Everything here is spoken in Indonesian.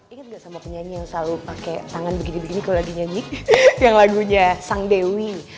ingat gak sama penyanyi yang selalu pakai tangan begini begini kalau lagi nyanyi yang lagunya sang dewi